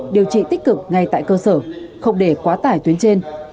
điều trị tích cực ngay tại cơ sở không để quá tải tuyến trên